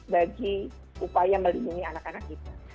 bagi upaya melindungi anak anak kita